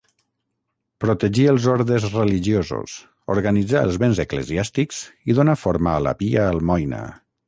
Protegí els ordes religiosos, organitzà els béns eclesiàstics i donà forma a la Pia Almoina.